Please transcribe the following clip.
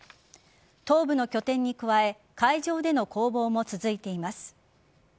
東部の拠点に加え海上での攻防も続いています。